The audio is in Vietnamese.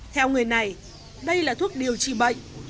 theo người này đây là thuốc điều trị bệnh